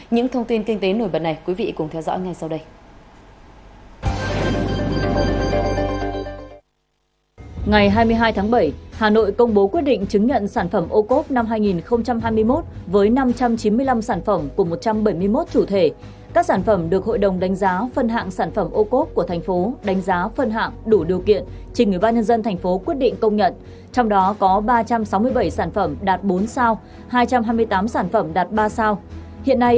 những thông tin kinh tế nổi bật này quý vị cùng theo dõi ngay sau đây